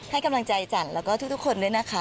ให้กำลังใจจันทร์แล้วก็ทุกคนด้วยนะคะ